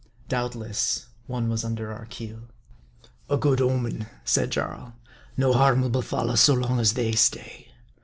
Doubtless, one was under our keel. " A good omen," said Jarl ; "no harm will befall us so long as they stay."